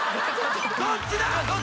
どっちだ！？